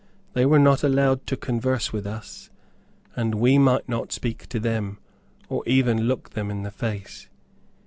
They were not allowed to converse with us, and we might not speak to them, or even look them in the face.